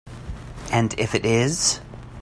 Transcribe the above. And if it is?